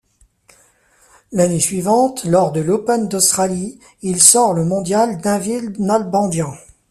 L'année suivante, lors de l'Open d'Australie, il sort le mondial David Nalbandian.